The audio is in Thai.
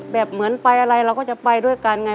เหมือนไปอะไรเราก็จะไปด้วยกันไง